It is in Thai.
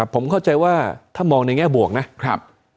ผมเข้าใจว่าถ้ามองในแง่บวกนะครับ